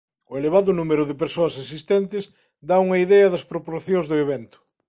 O elevado número de persoas asistentes dá unha idea das proporcións do evento.